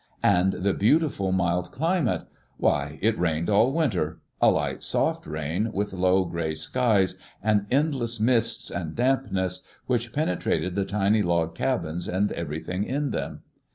And the beautiful, mild climate 1 Why, it rained all win ter — a light, soft rain, with low gray skies and endless mists, and dampness which penetrated the tiny log cabins and everything in them.